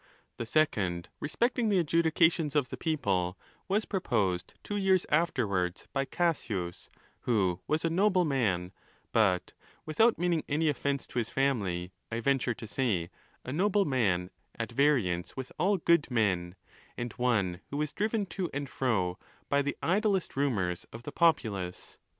The second, re specting the adjudications of the people, was proposed two years afterwards by Cassius, who wasa nobleman; but without meaning any offence to his family, 1 venture to say, a noble man at variance with all good men, and one who was driven to and fro by the idlest rumours of the populace.